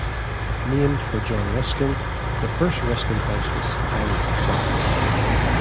Named for John Ruskin, the first Ruskin House was highly successful.